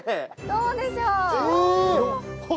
どうでしょう？